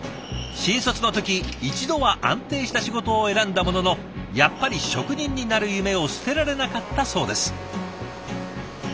新卒の時一度は安定した仕事を選んだもののやっぱり職人になる夢を捨てられなかったそうです。